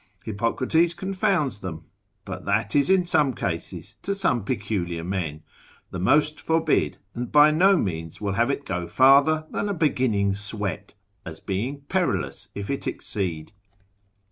6. Hippocrates confounds them), but that is in some cases, to some peculiar men; the most forbid, and by no means will have it go farther than a beginning sweat, as being perilous if it exceed.